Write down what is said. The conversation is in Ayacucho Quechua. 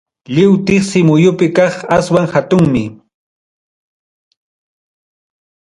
Lliw tiqsi muyupi kaq, aswan hatunmi.